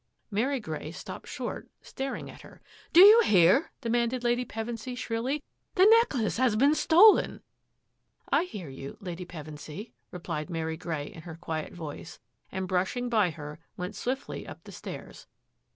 Mary Grey stopped short, staring at her. " Do you hear.'* " demanded Lady Pevensy shrilly. " The necklace has been stolen !"" I hear you. Lady Pevensy," replied Mary Grey in her quiet voice, ^and, brushing by her, went swiftly up the stairs.